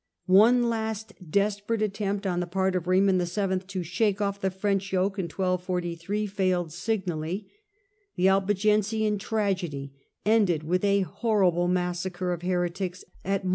One last desperate attempt on the part of Eaymond VII. to shake off the French yoke in 1243 failed signally. The Albi gensian tragedy ended with a horrible massacre of heretics at Mt.